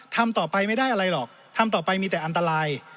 ทำต่อไปไม่ได้อะไรหรอกทำต่อไปมีแต่อันตราย